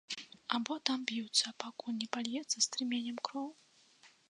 Або там б'юцца, пакуль не пальецца струменем кроў?